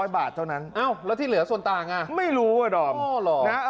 ๕๐๐บาทเท่านั้นเอ้าแล้วที่เหลือส่วนต่างอ่ะไม่รู้อ่ะดอม